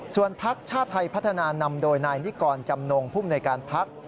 ส่วนพักชาติไทยพัฒนานำโดยนายนิกรจำนงภูมิในการพัก